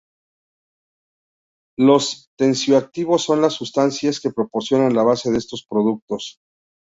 Los tensioactivos son las sustancias que proporcionan la base de estos productos.